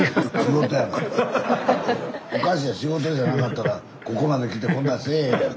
おかしいやん仕事じゃなかったらここまで来てこんなんせぇへんやん。